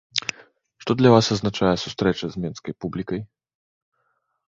Што для вас азначае сустрэча з менскай публікай?